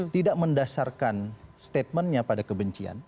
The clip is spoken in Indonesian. tidak mendasarkan statementnya pada kebencian